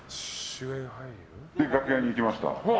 で、楽屋に行きました。